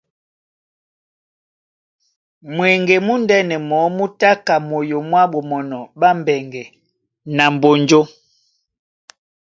Mweŋge múndɛ̄nɛ mɔɔ́ mú tá ka moyo mwá Ɓomɔnɔ ɓá Mbɛŋgɛ na Mbonjó.